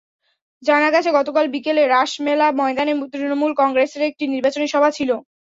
জানা গেছে, গতকাল বিকেলে রাসমেলা ময়দানে তৃণমূল কংগ্রেসের একটি নির্বাচনী সভা ছিল।